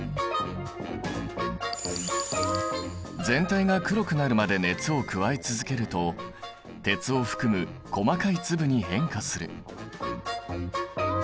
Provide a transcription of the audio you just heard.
全体が黒くなるまで熱を加え続けると鉄を含む細かい粒に変化する。